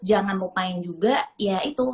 jangan lupain juga ya itu